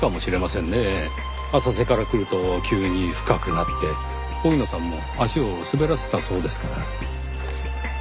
浅瀬から来ると急に深くなって荻野さんも足を滑らせたそうですから。